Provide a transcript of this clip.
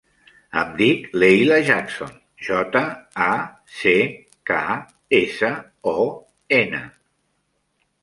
Em dic Leila Jackson: jota, a, ce, ca, essa, o, ena.